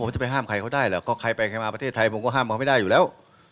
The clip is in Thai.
ผมจะไปห้ามใครเขาได้เหรอก็ใครไปใครมาประเทศไทยผมก็ห้ามเอาไม่ได้อยู่แล้ว